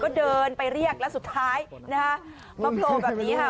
ก็เดินไปเรียกแล้วสุดท้ายนะคะมาโผล่แบบนี้ค่ะ